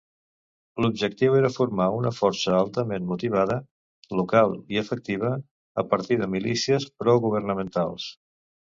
L'objectiu era formar una força altament motivada, local i efectiva a partir de milícies progovernamentals.